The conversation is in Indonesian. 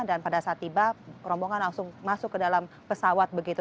dan pada saat tiba rombongan langsung masuk ke dalam pesawat begitu